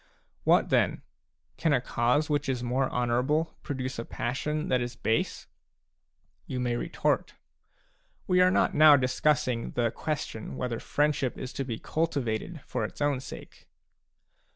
What then? Can a cause which is more honourable produce a passion that is base ? You may retort :" We are not now discussing the question whether friendship is to be cultivated for its own sake."